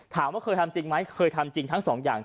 ถามว่าเคยทำจริงไหมเคยทำจริงทั้งสองอย่าง